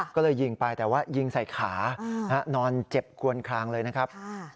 ก็เลยยิงไปแต่ว่ายิงใส่ขานอนเจ็บควนคลางเลยนะครับ